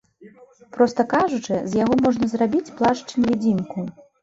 Проста кажучы, з яго можна зрабіць плашч-невідзімку.